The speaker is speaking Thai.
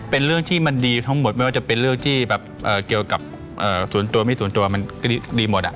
เป็นเรื่องที่มันดีทั้งหมดไม่ว่าจะเป็นเรื่องที่แบบเกี่ยวกับส่วนตัวไม่ส่วนตัวมันก็ดีหมด